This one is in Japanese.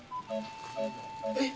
・・えっ？